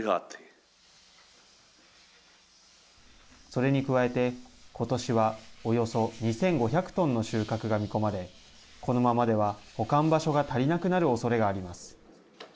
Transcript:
それに加えて、ことしはおよそ２５００トンの収穫が見込まれこのままでは保管場所が足りなくなるおそれがあります。